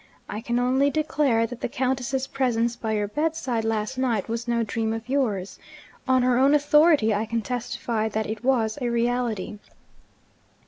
I can only declare that the Countess's presence by your bedside last night was no dream of yours. On her own authority I can testify that it was a reality.'